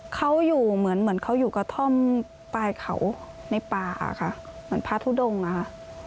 เขาอยู่เหมือนเหมือนเขาอยู่กระท่อมปลายเขาในป่าค่ะเหมือนพระทุดงอะค่ะ